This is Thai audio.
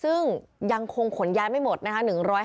ซึ่งยังคงขนย้ายไม่หมดนะคะ